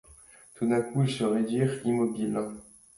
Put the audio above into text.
Tout d'un coup, ils se raidirent, immobiles.